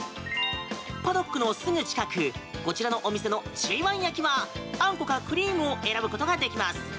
パドックのすぐ近くこちらのお店のＧ１焼きはあんこかクリームを選ぶことができます。